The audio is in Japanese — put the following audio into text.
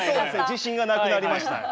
自信がなくなりました。